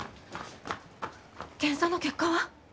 検査の結果は？